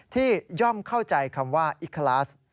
ย่อมเข้าใจคำว่าอิคลาส